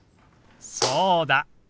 そうだ！